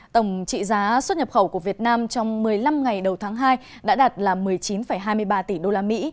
tổng trị giá xuất nhập khẩu của việt nam trong một mươi năm ngày đầu tháng hai đã đạt một mươi chín hai mươi ba tỷ usd